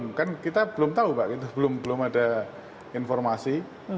belum kan kita belum tahu pak belum ada informasi